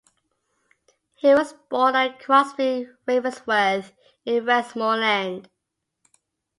He was born at Crosby Ravensworth in Westmorland.